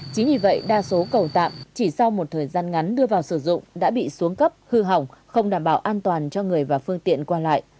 chính vì vậy đa số cầu tạm chỉ sau một thời gian ngắn đưa vào sử dụng đã bị xuống cấp hư hỏng không đảm bảo an toàn cho người và phương tiện qua lại